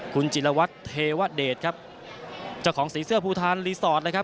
คุณจิลวัตรเทวะเดชครับเจ้าของสีเสื้อภูทานรีสอร์ทเลยครับ